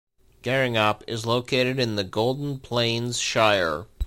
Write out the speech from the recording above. Gheringhap is located in the Golden Plains Shire.